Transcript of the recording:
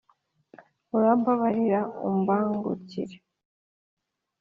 .Urambabarire umbangukire